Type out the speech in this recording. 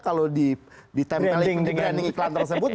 kalau ditempelkan branding iklan tersebut